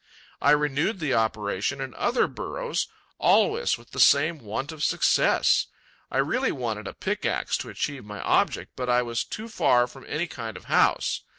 I renewed the operation in other burrows, always with the same want of success; I really wanted a pickaxe to achieve my object, but I was too far from any kind of house.